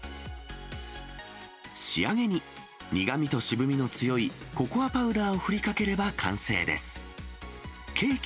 仕上げに、苦みと渋みの強いココアパウダーを振りかければ完成です。